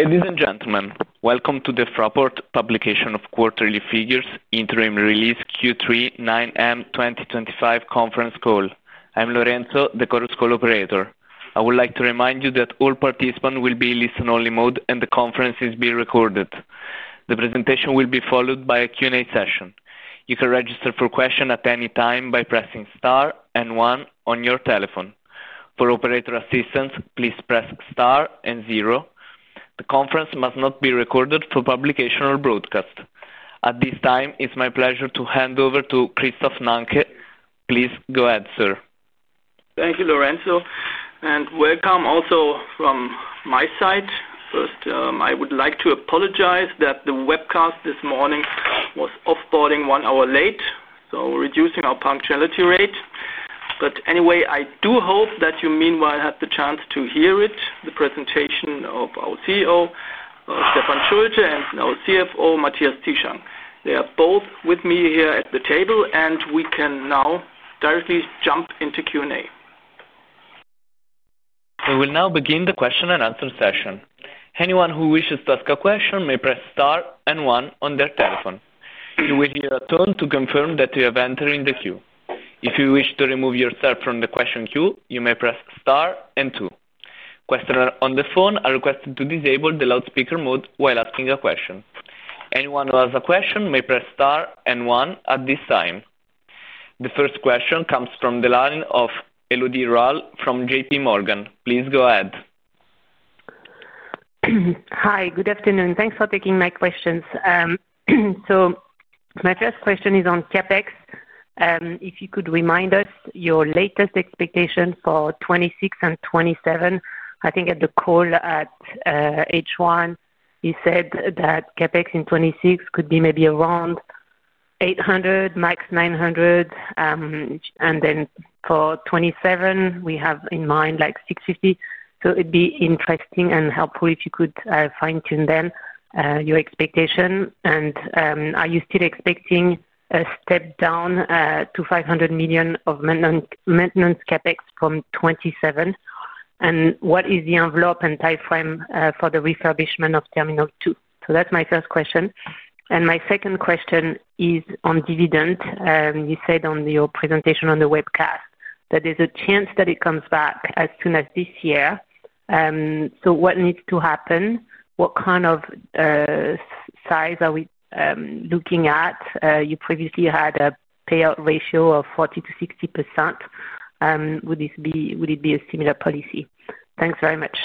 Ladies and gentlemen, welcome to the Fraport publication of quarterly figures interim release Q3 9M 2025 conference call. I'm Lorenzo, the Chorus Call operator. I would like to remind you that all participants will be in listen only mode and the conference is being recorded. The presentation will be followed by a Q&A session. You can register for question at any time by pressing star and one on your telephone. For operator assistance, please press star and zero. The conference must not be recorded for publication or broadcast at this time. It's my pleasure to hand over to Christoph Nanke. Please go ahead, sir. Thank you, Lorenzo, and welcome. Also from my side. First, I would like to apologize that the webcast this morning was off boarding one hour late, so reducing our punctuality rate. I do hope that you meanwhile had the chance to hear it. The presentation of our CEO Stefan Schulte and our CFO Matthias Zieschang. They are both with me here at the table and we can now directly jump into Q&A. We will now begin the question and answer session. Anyone who wishes to ask a question may press star and one on their telephone. You will hear a tone to confirm that you have entered in the queue. If you wish to remove yourself from the question queue, you may press star and two. Questioners on the phone are requested to disable the loudspeaker mode while asking a question. Anyone who has a question may press Star and one at this time. The first question comes from the line of Lol Rahl from JPMorgan. Please go ahead. Hi, good afternoon. Thanks for taking my questions. My first question is on CapEx. If you could remind us your latest expectation for 2026 and 2027. I think at the call at H1 you said that CapEx in 2026 could be maybe around 800 million-max 900 million and then for 2027 we have in mind like 650 million. It would be interesting and helpful if you could fine-tune then your expectation. Are you still expecting a step down to 500 million of maintenance CapEx from 2027? What is the envelope and timeframe for the refurbishment of Terminal 2? That is my first question. My second question is on dividend. You said on your presentation on the webcast that there is a chance that it comes back as soon as this year. What needs to happen? What kind of size are we looking at? You previously had a payout ratio of 40%-60%. Would it be a similar policy? Thanks very much.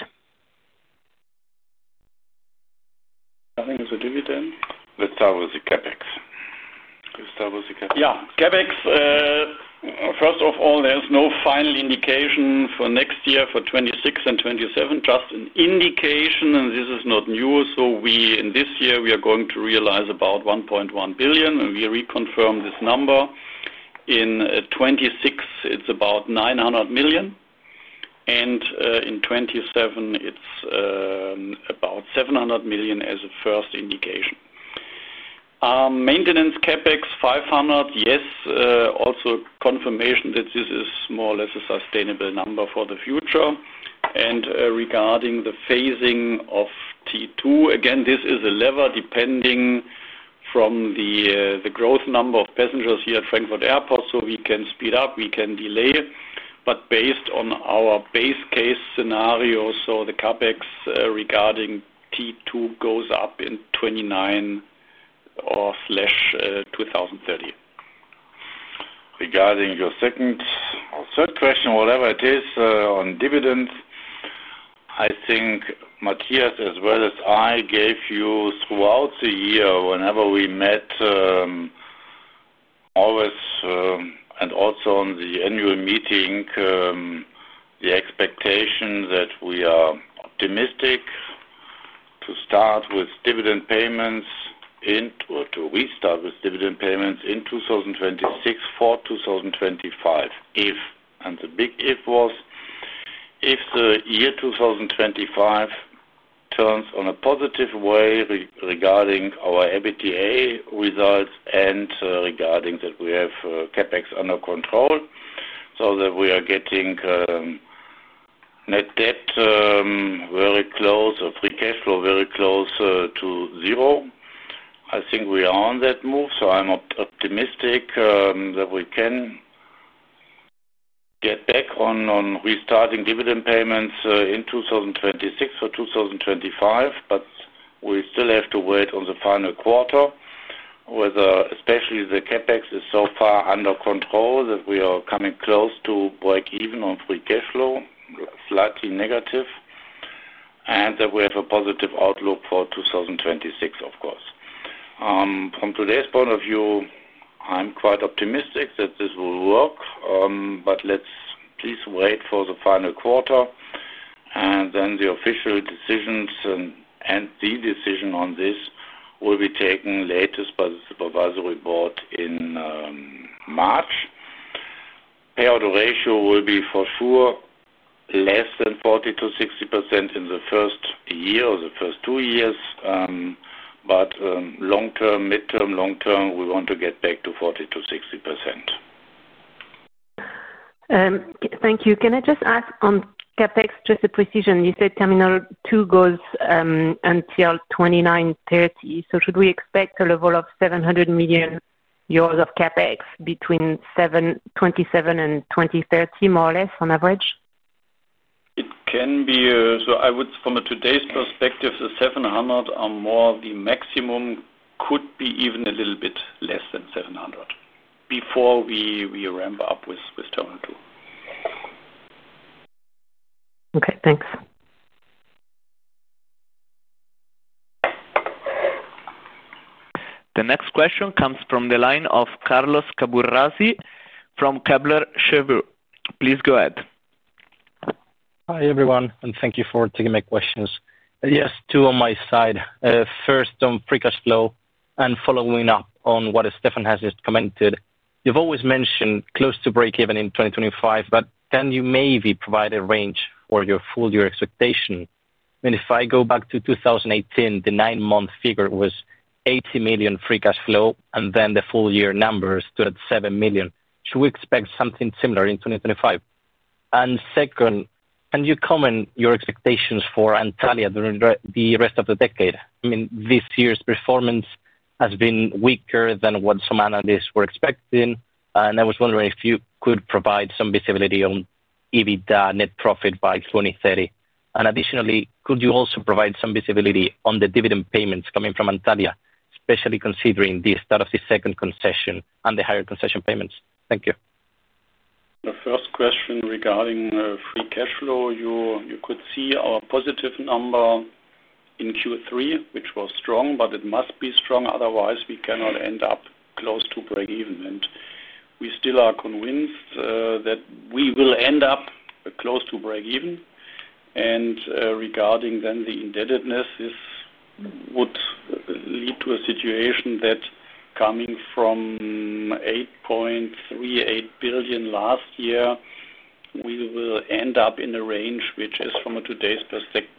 I think it's a dividend. Let's start with the CapEx, yeah, CapEx. First of all, there's no final indication for next year, for 2026 and 2027, just an indication and this is not new. We, in this year, are going to realize about 1.1 billion and we reconfirmed this number. In 2026, it's about 900 million and in 2027, it's about 700 million. As a first indication, maintenance CapEx 500 million. Yes. Also, cost confirmation that this is more or less a sustainable number for the future. Regarding the phasing of T2, again, this is a lever depending on the growth number of passengers here at Frankfurt Airport. We can speed up, we can delay, but based on our base case scenario, the CapEx regarding T2 goes up in 2029 or 2030. Regarding your second or third question, whatever it is, on dividends, I think Matthias, as well as I gave you throughout the year, whenever we met, always, and also on the annual meeting, the expectation that we are optimistic to start with dividend payments in or to restart with dividend payments in 2026 for 2025. If, and the big if was if the year 2025 turns on a positive way regarding our EBITDA results and regarding that we have CapEx under control so that we are getting. Net debt very close. Free Cash Flow very close to zero. I think we are on that move. So I'm optimistic that we can get back on restarting dividend payments in 2026 or 2025. But we still have to wait on the final quarter whether especially the CapEx is so far under control that we are coming close to break even on Free Cash Flow slightly negative, and that we have a positive outlook for 2026. Of course, from today's point of view, I'm quite optimistic that this will work. But let's please wait for the final quarter and then the official decisions and the decision on this will be taken latest by the Supervisory Board in March. Payout ratio will be for sure less than 40%-60% in the first year or the first two years. But long term, mid term, long term, we want to get back to 40%-60%. Thank you. Can I just ask on CapEx, just the precision. You said T2 goes until 2030. Should we expect a level of 700 million euros of CapEx between 2027 and 2030? More or less on average. It can be, I would, from today's perspective, the 700 million or more, the maximum could be even a little bit less than 700 before we ramp up with Terminal 2. Okay, thanks. The next question comes from the line of Carlos Caburrasi from Kepler Cheuvreux. Please go ahead. Hi everyone and thank you for taking my questions. Yes, two on my side. First, on Free Cash Flow and following up on what Stefan has just commented. You've always mentioned close to break even in 2025, but then you maybe provided range or your full year expectation. If I go back to 2018, the nine month figure was 80 million Free Cash Flow and then the full year numbers stood at 7 million. Should we expect something similar in 2025? Second, can you comment your expectations for Antalya during the rest of the decade? I mean, this year's performance has been weaker than what some analysts were expecting. I was wondering if you could provide some visibility on EBITDA net profit by 2030. Additionally, could you also provide some visibility on the dividend payments coming from Antalya, especially considering the start of the second concession and the higher concession payments. Thank you. The first question regarding Free Cash Flow, you could see our positive number in Q3, which was strong, but it must be strong otherwise we cannot end up close to break even. We still are convinced that we will end up close to break even. Regarding then the indebtedness, this would lead to a situation that coming from 8.38 billion last year, we will end up in a range which is from today's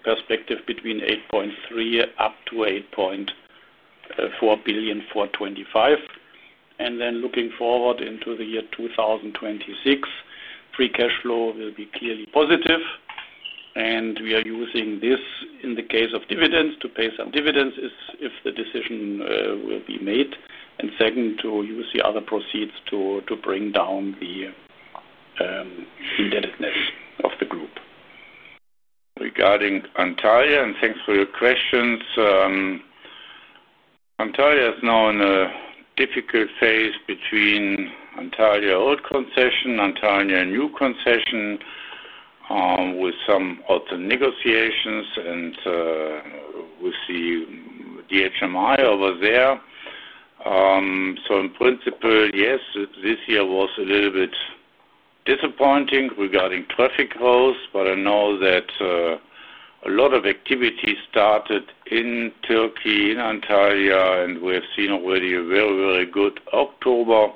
perspective between 8.3 billion-8.4 billion for 2025, and then looking forward into the year 2026, Free Cash Flow will be clearly positive. We are using this in the case of dividends to pay some dividends if the decision will be made, and second, to use the other proceeds to bring down the indebtedness of the group. Regarding Antalya and thanks for your questions. Antalya is now in a difficult phase between Antalya old concession, Antalya new concession with some negotiations and we see DHMI over there. In principle, yes, this year was a little bit disappointing regarding traffic growth. I know that a lot of activity started in Turkey in Antalya. We have seen already a very, very good October.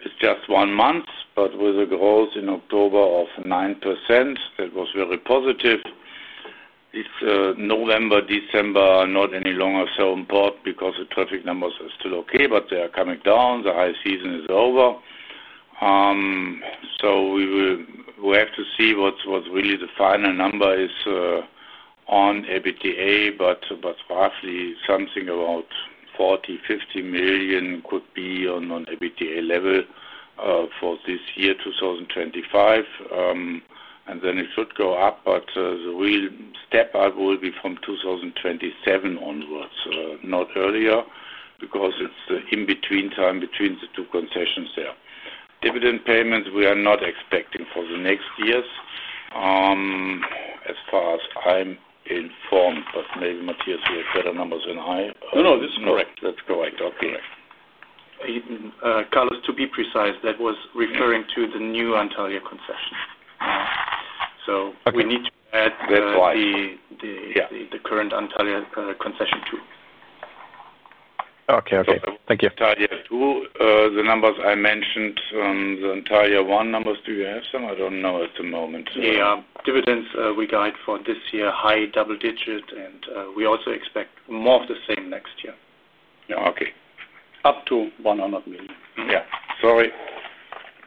It is just one month, but with a growth in October of 9% that was very positive. November, December are not any longer so important because the traffic numbers are still okay, but they are coming down, the high season is over. We have to see what really the final number is on EBITDA. Roughly something about 40 million-50 million could be on EBITDA level for this year 2025 and then it should go up. The real step up will be from 2027 onwards, not earlier. Because it's the in between time between the two concessions, there dividend payments we are not expecting for the next years as far as I'm informed. But maybe Matthias will have better numbers than I. No, no, this is correct. That's correct. Carlos. To be precise, that was referring to the new Antalya concession. We need to add the current Antalya concession too. Okay, thank you. The numbers I mentioned, the entire year one numbers. Do you have some? I don't know at the moment. Yeah, dividends we guide for this year high double digit. We also expect more of the same next year. Okay. Up to 100 million. Yeah, sorry,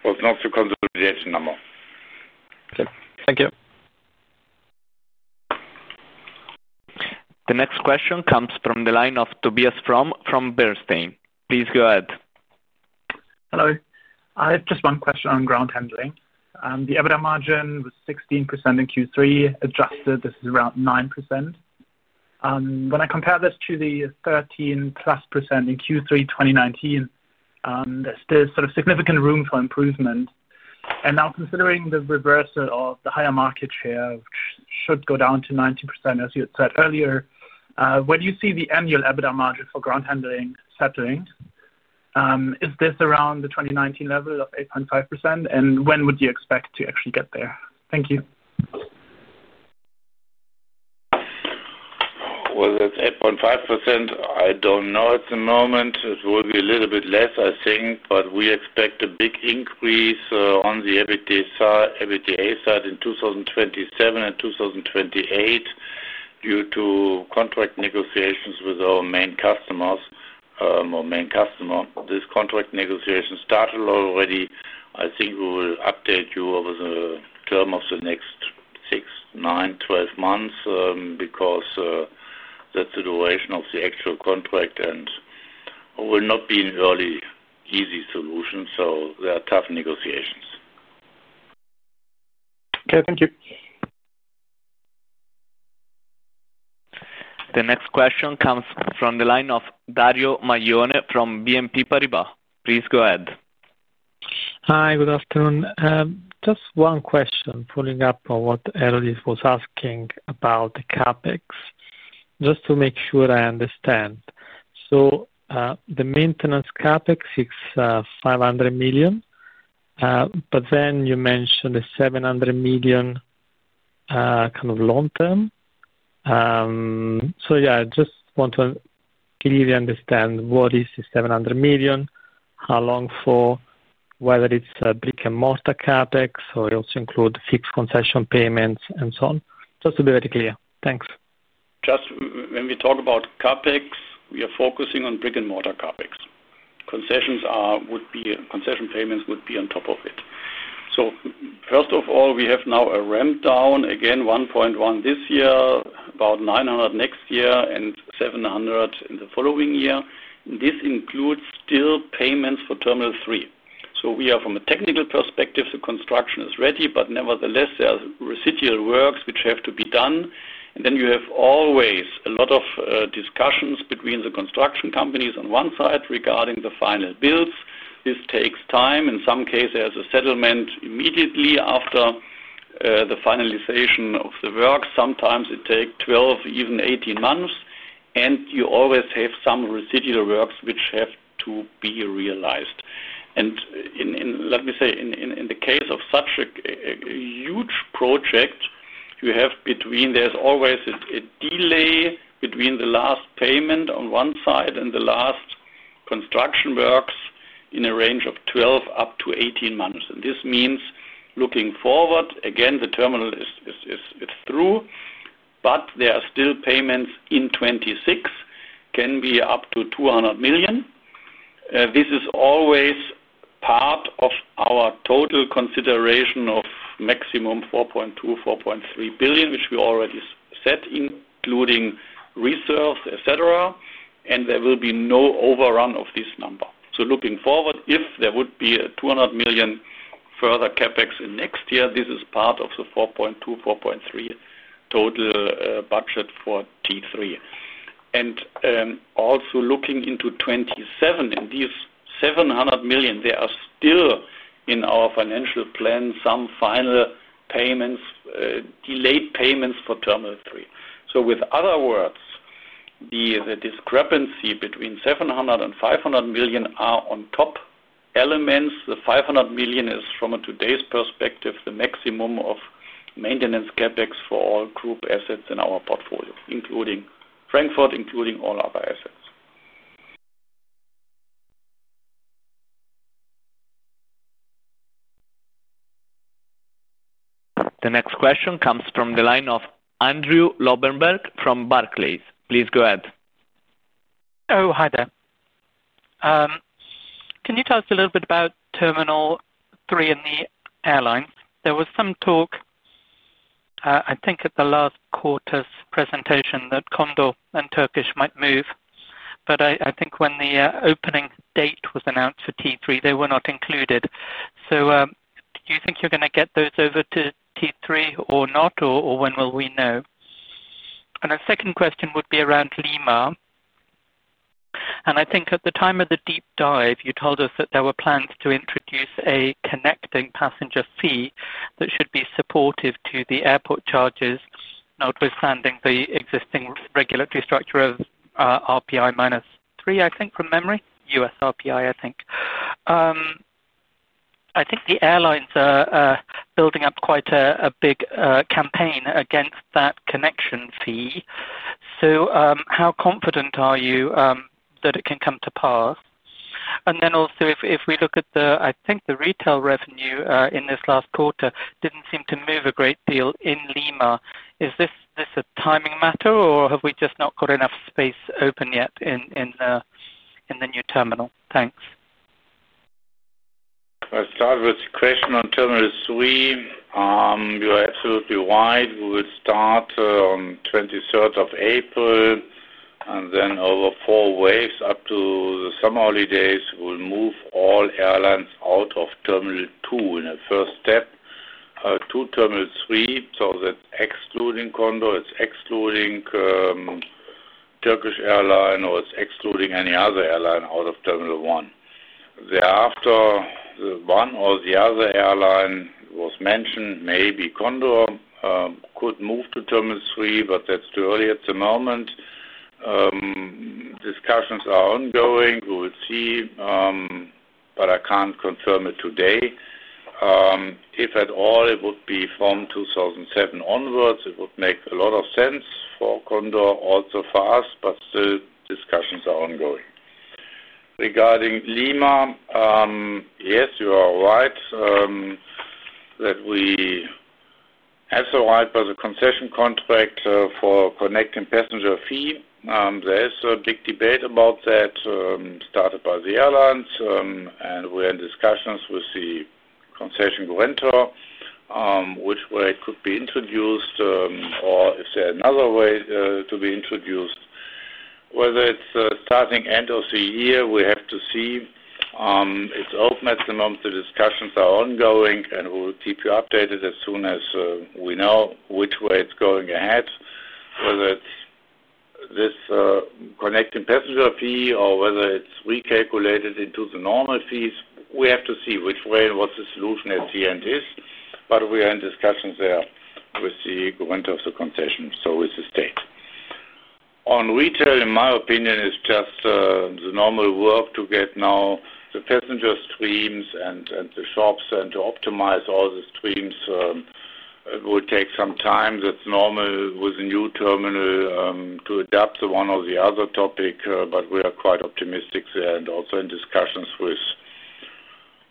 was not the consolidation number. Thank you. The next question comes from the line of Tobias from Bernstein. Please go ahead. Hello, I have just one question. On ground handling, the EBITDA margin was 16% in Q3 adjusted, this is around 9%. When I compare this to the 13%+ in Q3 2019, there's still sort of significant room for improvement. Now considering the reversal of the higher market share which should go down to 90% as you had said earlier, when do you see the annual EBITDA margin for ground handling settling, is this around the 2019 level of 8.5%? When would you expect to actually get there? Thank you. That's 8.5%. I don't know at the moment. It will be a little bit less, I think. We expect a big increase on the EBITDA side in 2027 and 2028 due to contract negotiations with our main customers or main customer. This contract negotiation started already. I think we will update you over the term of the next 6-9 months or 12 months because that's the duration of the actual contract and it will not be an easy solution. There are tough negotiations. Okay, thank you. The next question comes from the line of Dario Maggioni from BNP Paribas. Please go ahead. Hi, good afternoon. Just one question following up on what Erdis was asking about the CapEx, just to make sure I understand. So the maintenance CapEx is 500 million but then you mentioned the 700 million kind of long term. Yeah, I just want to clearly understand what is the 700 million, how long for, whether it's brick and mortar CapEx or also include fixed concession payments and so on. Just to be very clear. Thanks. Just when we talk about CapEx, we are focusing on brick and mortar CapEx. Concessions are, would be, concession payments would be on top of it. First of all, we have now a ramp down again, 1.1 billion this year, about 900 million next year, and 700 million in the following year. This includes still payments for Terminal 3. From a technical perspective, the construction is ready, but nevertheless there are residual works which have to be done. You have always a lot of discussions between the construction companies on one side regarding the final builds. This takes time. In some cases, a settlement immediately after the finalization of the work. Sometimes it takes 12 months, even 18 months. You always have some residual works which have to be realized. Let me say in the case of such a huge project, you have between, there's always a delay between the last payment on one side and the last construction works in a range of 12-18 months. This means looking forward again, the terminal is through, but there are still payments in 2026 that can be up to 200 million. This is always part of our total consideration of maximum 4.2 billion- 4.3 billion which we already set, including reserves, etc. There will be no overrun of this number. Looking forward, if there would be 200 million further CapEx in next year, this is part of the 4.2 billion-4.3 billion total budget for Terminal 3 and also looking into 2027 and these 700 million, there are still in our financial plan some final payments, delayed payments for Terminal 3. In other words, the discrepancy between 700 million and 500 million are on top elements. The 500 million is, from today's perspective, the maximum of maintenance CapEx for all group assets in our portfolio, including Frankfurt, including all other assets. The next question comes from the line of Andrew Lobbenberg from Barclays. Please go ahead. Oh, hi there. Can you tell us a little bit about Terminal 3 and the airline? There was some talk, I think at the last quarter's presentation that Condor and Turkish might move, but I think when the opening date was announced for Terminal 3, they were not included. Do you think you're going to get those over to Terminal 3 or not? When will we know? A second question would be around Lima, and I think at the time of the deep dive you told us that there were plans to introduce a connecting passenger fee that should be supportive to the airport charges, notwithstanding the existing regulatory structure of RPI minus three. I think from memory U.S. RPI. I think the airlines are building up quite a big campaign against that connection fee. How confident are you that it can come to pass? Also, if we look at the, I think the retail revenue in this last quarter did not seem to move a great deal in Lima. Is this a timing matter or have we just not got enough space open yet in the new terminal? Thanks. I'll start with a question on Terminal 3. You are absolutely right. We will start on 23rd of April and then over four waves up to the summer holidays, we'll move all airlines out of Terminal 2 in a first step to Terminal 3. That is excluding Condor, it's excluding Turkish Airlines, or it's excluding any other airline out of Terminal 1. Thereafter, one or the other airline was mentioned. Maybe Condor could move to Terminal 3, but that's too early. At the moment, discussions are ongoing. We will see. I can't confirm it today. If at all, it would be from 2027 onwards. It would make a lot of sense for Condor, also for us. Still, discussions are ongoing. Regarding Lima, yes, you are right that we have the right by the concession contract for connecting passenger fee. There is a big debate about that started by the airlines and we are in discussions with the concession guarantor which way it could be introduced or is there another way to be introduced. Whether it's starting end of the year, we have to see. It's open at the moment. The discussions are ongoing and we'll keep you updated as soon as we know which way it's going ahead. Whether it's this connecting passenger fee or whether it's recalculated into the normal fees, we have to see which way and what the solution at the end is. We are in discussions there with the government of the concession. With the state on retail, in my opinion, it's just the normal work to get now the passenger streams and the shops and to optimize all the streams will take some time. That's normal with a new terminal to adapt to one or the other topic. We are quite optimistic. are also in discussions with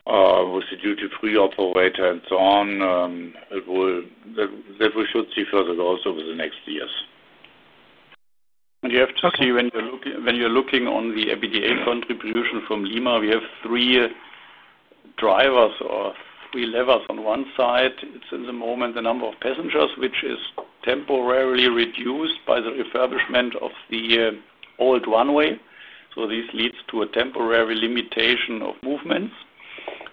the duty free operator and so on that we should see further also over the next years. You have to see when you're looking on the EBITDA contribution from Lima, we have three drivers or three levers. On one side, it's in the moment the number of passengers, which is temporarily reduced by the refurbishment of the old runway. This leads to a temporary limitation of movements.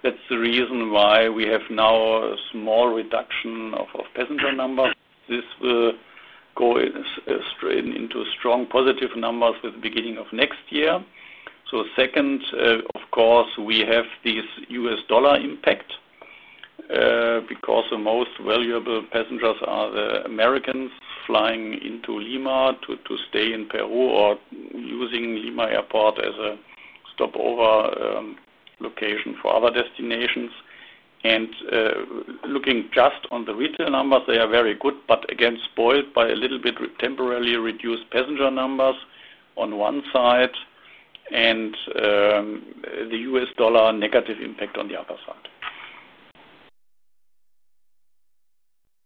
That's the reason why we have now a small reduction of passenger number. This will go straight into strong positive numbers with the beginning of next year. Second, of course, we have this U.S. dollar impact because the most valuable passengers are the Americans flying into Lima to stay in Peru or using Lima airport as a stopover location for other destinations. Looking just on the retail numbers, they are very good but again spoiled by a little bit. Temporarily reduced passenger numbers on one side and the U.S. dollar negative impact on the other side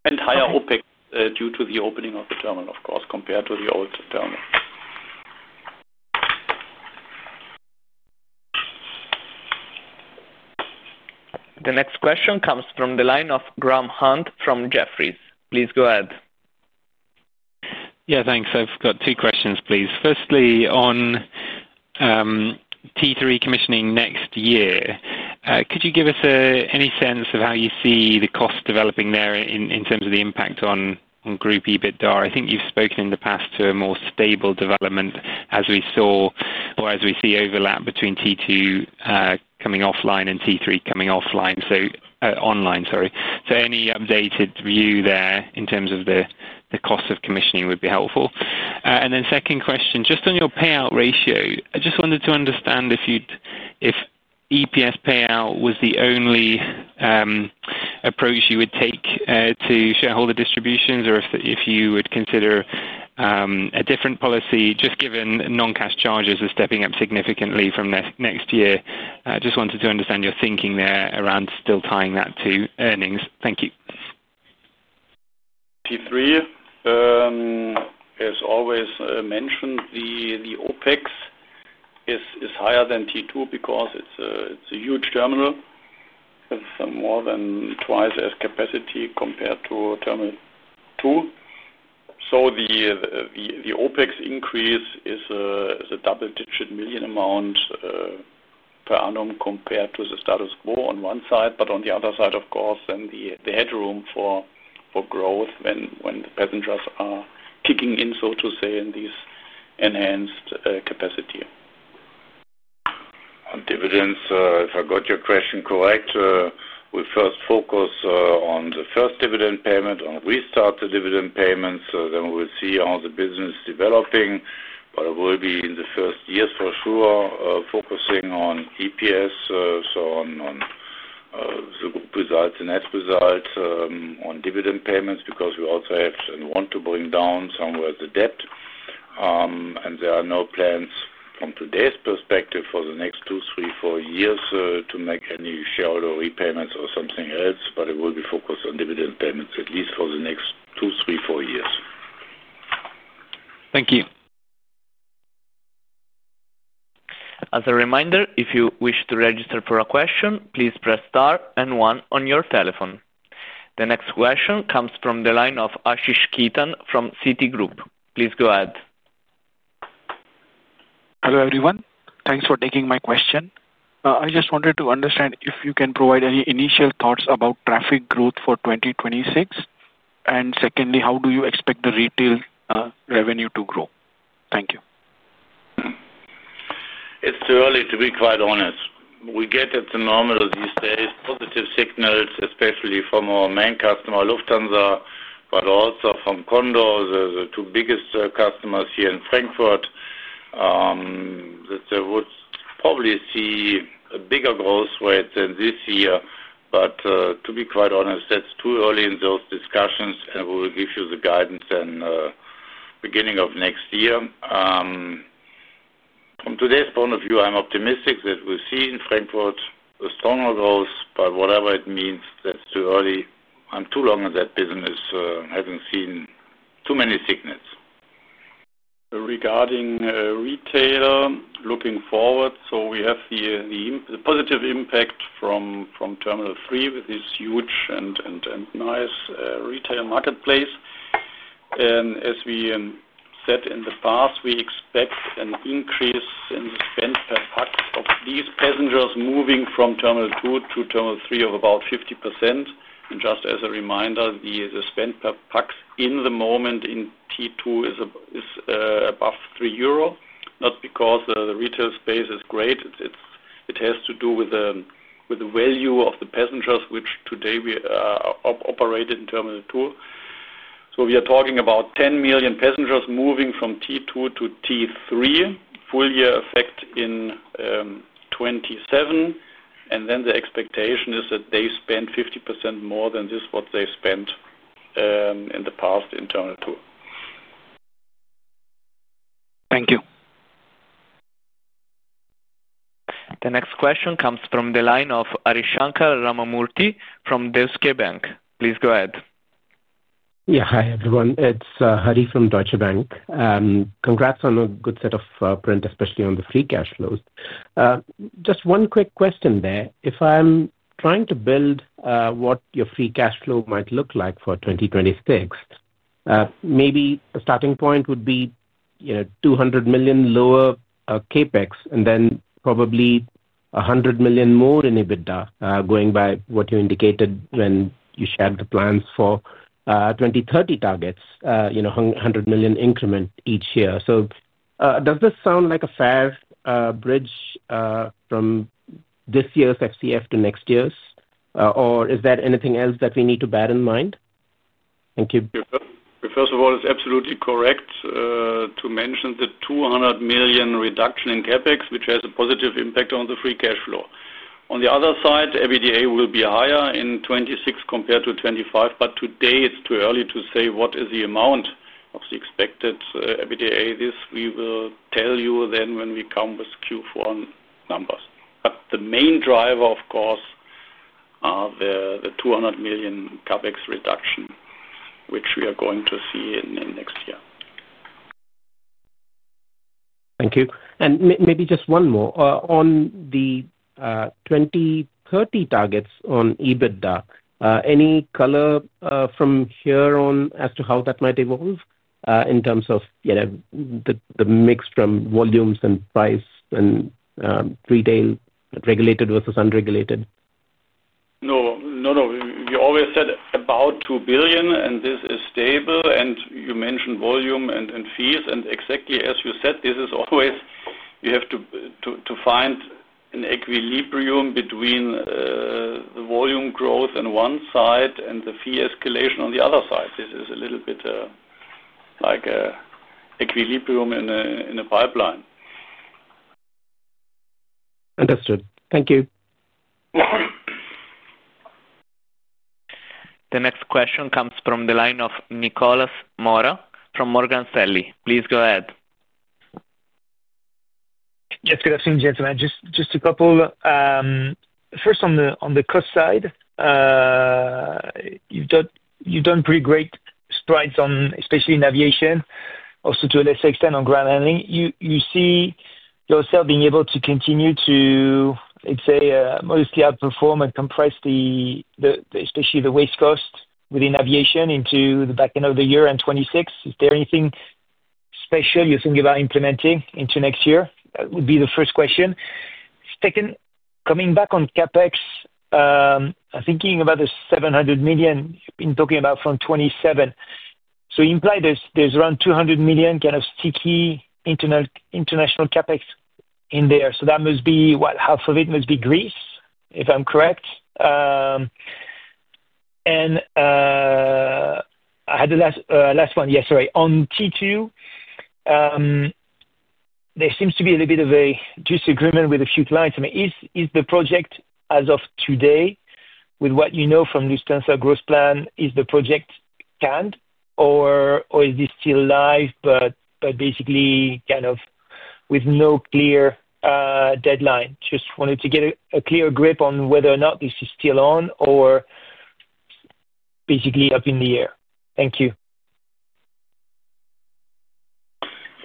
and higher OpEx due to the opening of the terminal of course compared to the old terminal. The next question comes from the line of Graham Hunt from Jefferies. Please go ahead. Yeah, thanks. I've got two questions please. Firstly, on T3 commissioning next year, could you give us any sense of how you see the cost developing there in terms of the impact on group EBITDA? I think you've spoken in the past to a more stable development as we saw or as we see overlap between T2 coming offline and T3 coming online. Sorry. So any updated view there in terms of the cost of commissioning would be helpful. And then second question just on your payout ratio. I just wanted to understand if EPS payout was the only approach you would take to shareholder distributions or if you would consider a different policy just given noncash charges are stepping up significantly from next year. Just wanted to understand your thinking there around still tying that to earnings. Thank you. T3 as always mentioned, the OpEx is higher than T2 because it's a huge terminal with more than twice the capacity compared to terminal. The OpEx increase is a double-digit million amount per annum compared to the status quo on one side. On the other side of course then the headroom for growth when the passengers are kicking in, so to say, in these enhanced capacity. On dividends. If I got your question correct, we first focus on the first dividend payment, on restart the dividend payments. Then we see how the business developing but it will be in the first years for sure focusing on EPS, so on the net result on dividend payments because we also have and want to bring down somewhere the debt and there are no plans from today's perspective for the next two, three, four years to make any shareholder repayments or something else, but it will be focused on dividend payments at least for the next two, three, four years. Thank you. As a reminder, if you wish to register for a question, please press star and one on your telephone. The next question comes from the line of Ashish Khetan from Citigroup. Please go ahead. Hello everyone. Thanks for taking my question. I just wanted to understand if you can provide any initial thoughts about traffic growth for 2026 and secondly, how do you expect the retail revenue to grow. Thank you. It's too early, to be quite honest. We get at the normal these days positive signals, especially from our main customer Lufthansa, but also from Condor, the two biggest customers here in Frankfurt, that they would probably see a bigger growth rate than this year. To be quite honest, that's too early in those discussions and we will give you the guidance in beginning of next year. From today's point of view, I'm optimistic that we see in Frankfurt a stronger growth. Whatever it means, that's too early. I'm too long in that business having. Seen too many signals regarding retail looking forward. We have the positive impact from Terminal 3 with this huge and nice retail marketplace. As we said in the past, we expect an increase in the spend per pax of these passengers moving from Terminal 2 to Terminal 3 of about 50%. Just as a reminder, the spend per pax at the moment in T2 is above 3 euro, not because the retail space is great, it has to do with the value of the passengers which today we operate in Terminal 2. We are talking about 10 million passengers moving from T2 to T3, full year effect in 2027, and then the expectation is that they spend 50% more than what they spent in the past. Internal tour. Thank you. The next question comes from the line of Arishankar Ramamurthy from Deutsche Bank. Please go ahead. Yeah, hi everyone, it's Hari from Deutsche Bank. Congrats on a good set of print, especially on the Free Cash Flows. Just one quick question there. If I'm trying to build what your Free Cash Flow might look like for 2026, maybe a starting point would be 200 million lower CapEx and then probably 100 million more in EBITDA. Going by what you indicated when you shared the plans for 2030 targets, 100 million increment each year. Does this sound like a fair bridge from this year's FCF to next year's or is there anything else that we need to bear in mind? Thank you. First of all, it's absolutely correct to mention the 200 million reduction in CapEx, which has a positive impact on the free cash flow on the other side. EBITDA will be higher in 2026 compared to 2025, but today it's too early to say what is the amount of the expected EBITDA. This we will tell you then when we come with Q4 numbers. The main driver, of course, the 200 million CapEx reduction which we are going to see in next year. Thank you. Maybe just one more on the 2030 targets on EBITDA. Any color from here on as to how that might evolve in terms of the mix from volumes and price and retail regulated versus unregulated? No. You always said about €2 billion and this is stable and you mentioned volume and fees and exactly as you said, this is always. You have to find an equilibrium between the volume growth on one side and the fee escalation on the other side. This is a little bit like an equilibrium in a pipeline. Understood, thank you. The next question comes from the line of Nicolas Mora from Morgan Stanley. Please go ahead. Yes, good afternoon gentlemen. Just a couple. First on the cost side, you. You've done pretty great strides on especially in aviation. Also to a lesser extent on ground handling. You see yourself being able to continue to mostly outperform and compress the especially the waste cost within aviation into the back end of the year and 2026. Is there anything special you're thinking about implementing into next year? Would be the first question. Second, coming back on CapEx, thinking about the 700 million in talking about from 2027, so implied there's around 200 million kind of sticky international CapEx in there. So that must be what half of it must be Greece if I'm correct and I had the last one. Yes, sorry. On Terminal 2 there seems to be a little bit of a disagreement with a few clients. Is the project as of today with what you know from Lufthansa's growth plan, is the project canned or is this still live, but basically kind of with no clear deadline? Just wanted to get a clear grip on whether or not this is still on or basically up in the air. Thank you.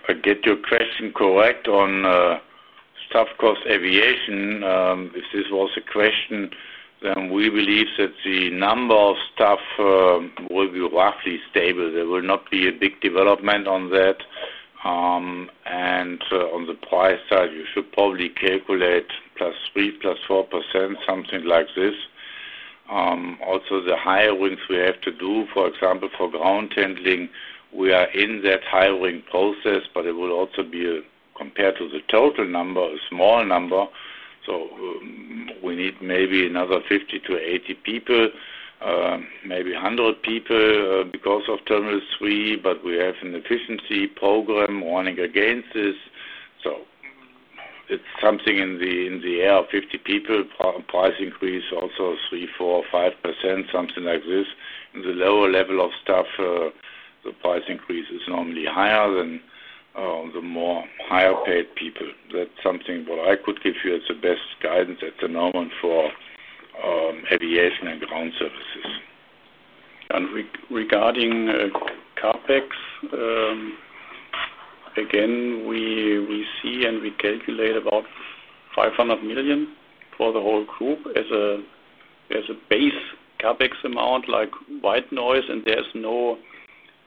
I get your question correct on top cost aviation. If this was a question, then we believe that the number of staff will be roughly stable. There will not be a big development on that. On the price side you should probably calculate +3%, +4%, something like this. Also the hiring we have to do, for example for ground handling, we are in that hiring process. It will also be compared to the total number, a small number. We need maybe another 50-80 people, maybe 100 people because of Terminal 3. We have an efficiency program running against this. It is something in the area of 50 people. Price increase also 3%, 4%, 5%, something like this. In the lower level of staff, the price increase is normally higher than the more higher paid people. That's something what I could give you as the best guidance at the moment for aviation and ground services. Regarding CapEx. Again we see, and we calculate about 500 million for the whole group as a base CapEx amount. Like white noise. There is no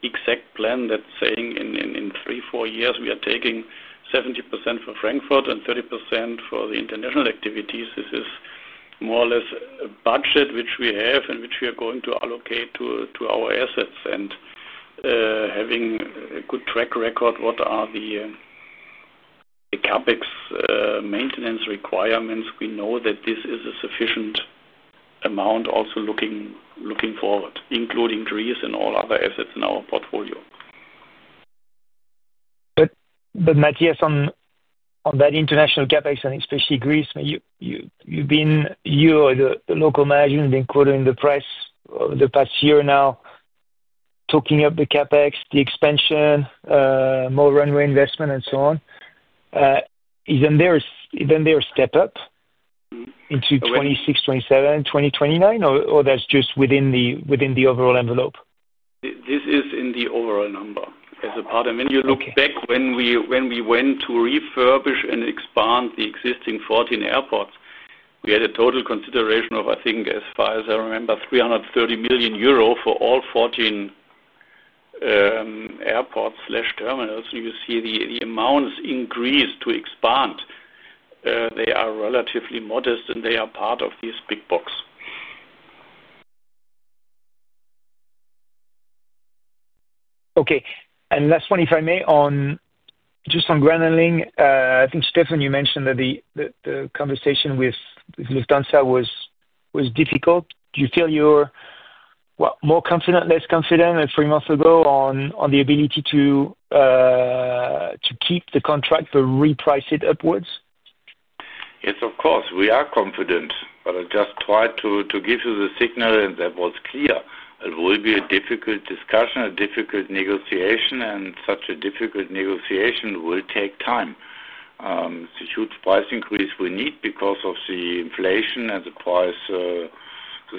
exact plan that is saying in three, four years we are taking 70% for Frankfurt and 30% for the international activities. This is more or less a budget which we have and which we are going to allocate to our assets. Having a good track record, what are the CapEx maintenance requirements? We know that this is a sufficient amount also looking forward, including Greece and all other assets in our portfolio. Matthias, on that international CapEx, and especially Greece, you, the local management, have been quoting the price over the past year now, talking up the CapEx, the expansion, more runway investment and so on. Isn't there a step up into 2026, 2027, and 2029, or is that just within the overall envelope? This is in the overall number as a part. When you look back when we went to refurbish and expand the existing 14 airports, we had a total consideration of, I think, as far as I remember, 330 million euro for all 14 airport terminals. You see the amounts increased to increase, expand. They are relatively modest and they are part of this big box. Okay, and last one, if I may. Just on ground handling, I think Stefan, you mentioned that the conversation with Lufthansa was difficult. Do you feel you're more confident, less confident three months ago on the ability to keep the contract, but reprice it upwards? Yes, of course we are confident. I just tried to give you the signal and that was clear. It will be a difficult discussion, a difficult negotiation and such a difficult negotiation will take time. The huge price increase we need is because of the inflation and the price, the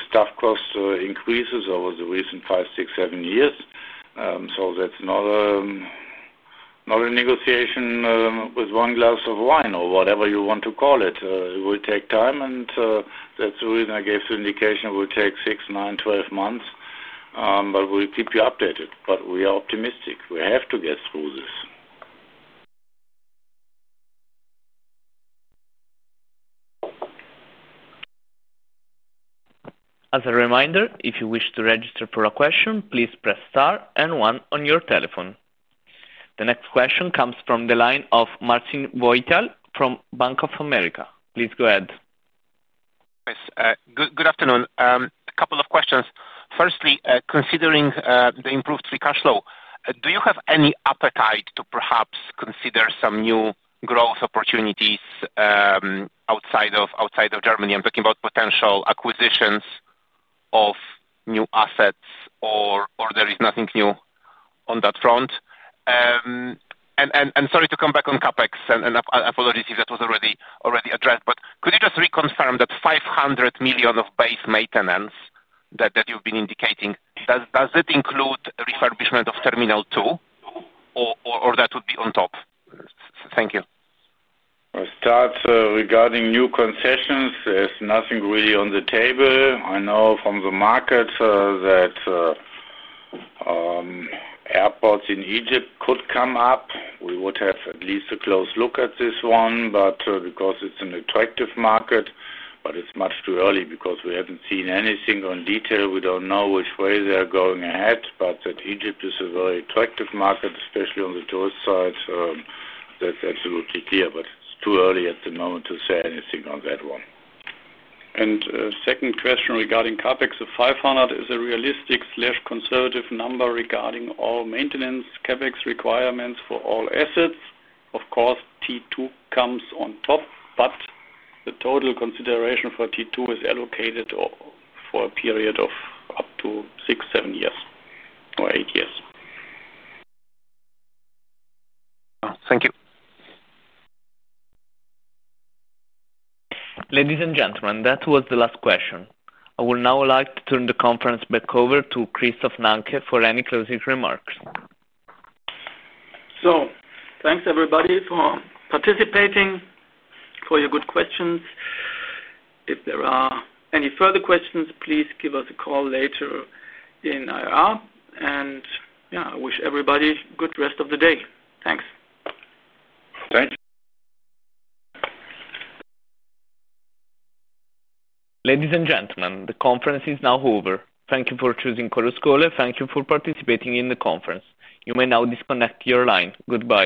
staff cost increases over the recent five, six, seven years. That is not a negotiation with one glass of wine or whatever you want to call it. It will take time and that is the reason I gave the indication it will take 6-9-12 months. We will keep you updated. We are optimistic. We have to get through this. As a reminder, if you wish to register for a question, please press star and one on your telephone. The next question comes from the line of Marcin Wojtal from Bank of America. Please go ahead. Good afternoon. A couple of questions. Firstly, considering the improved free cash flow, do you have any appetite to perhaps consider some new growth opportunities outside of Germany? I'm talking about potential acquisitions of new assets or. There is nothing new on that front. Sorry to come back on CapEx and apologies if that was already addressed. Could you just reconfirm that 500 million of base maintenance that you've been indicating? Does it include refurbishment of Terminal 2 or. That would be on top. Thank you. Starts regarding new concessions, there's nothing really on the table. I know from the market that airports in Egypt could come up. We would have at least a close look at this one because it's an attractive market. It's much too early because we haven't seen anything on detail. We don't know which way they're going ahead. That Egypt is a very attractive market, especially on the tourist side, that's absolutely clear. It's too early at the moment to say anything on that one. Second question regarding CapEx. 500 million is a realistic conservative number regarding all maintenance CapEx requirements for all assets. Of course, T2 comes on top, but the total consideration for T2 is allocated for a period of up to six, seven years or eight years. Thank you. Ladies and gentlemen. That was the last question. I would now like to turn the conference back over to Christoph Nanke for any closing remarks. Thanks everybody for participating, for your good questions. If there are any further questions, please give us a call later in IR and wish everybody a good rest of the day. Thanks. Ladies and gentlemen, the conference is now over. Thank you for choosing Chorus Call. Thank you for participating in the conference. You may now disconnect your line. Goodbye.